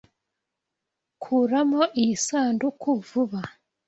Kuramo iyi sanduku vuba.